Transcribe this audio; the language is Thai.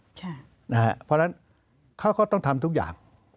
เพราะฉะนั้นเขาก็ต้องทำทุกอย่าง